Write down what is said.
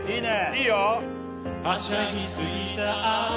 いいよ！